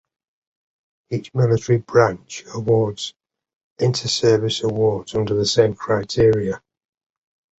Each military branch awards inter-service awards under the same criteria.